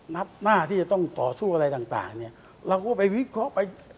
หน้าที่จะต้องต่อสู้อะไรต่างเนี่ยเราก็ไปวิเคราะห์ไป